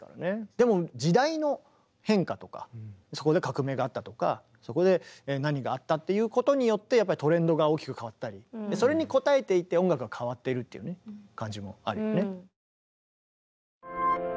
でも時代の変化とかそこで革命があったとかそこで何があったっていうことによってトレンドが大きく変わったりそれに応えていって音楽が変わってるっていうね感じもあるよね。